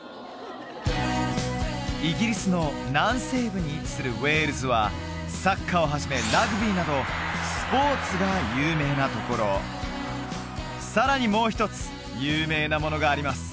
イギリスの南西部に位置するウェールズはサッカーをはじめラグビーなどスポーツが有名なところさらにもう一つ有名なものがあります